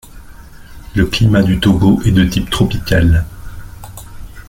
Le climat du Togo est de type tropical.